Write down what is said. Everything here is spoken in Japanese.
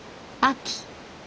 秋。